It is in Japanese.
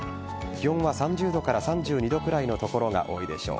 気温は３０度から３２度くらいの所が多いでしょう。